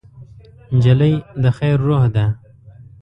نجلۍ د خیر روح ده.